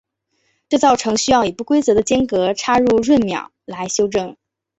这造成需要以不规则的间隔插入闰秒来修正。